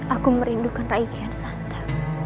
aku merindukan rai kian santa